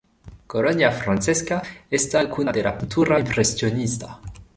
Colonia francesa esta cuna de la pintura impresionista.